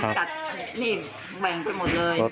แว่งไปหมดเลย